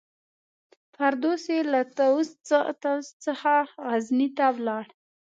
فردوسي له طوس څخه غزني ته ولاړ.